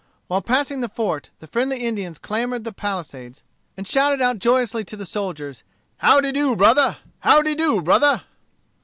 While passing the fort, the friendly Indians clambered the palisades, and shouted out joyously to the soldiers "How de do, brother how de do, brother?"